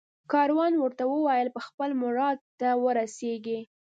کاروان ورته وویل ته به خپل مراد ته ورسېږې